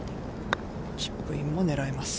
チップインも狙えます。